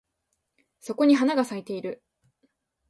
そこに花が咲いてる